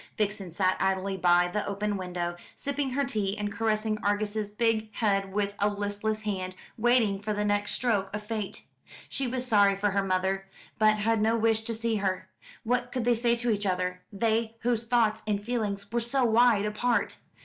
Vixen sat idly by the open window, sipping her tea, and caressing Argus's big head with a listless hand, waiting for the next stroke of fate. She was sorry for her mother, but had no wish to see her. What could they say to each other they, whose thoughts and feelings were so wide apart?